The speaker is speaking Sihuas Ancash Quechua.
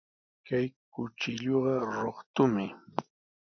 Kay kuchilluqa luqtumi.